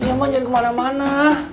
iya ma jangan kemana mana